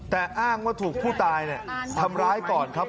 แต่อ้างว่าถูกผู้ตายทำร้ายก่อนครับ